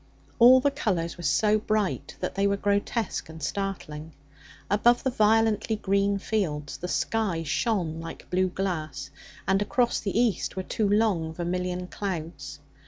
All the colours were so bright that they were grotesque and startling. Above the violently green fields the sky shone like blue glass, and across the east were two long vermilion clouds.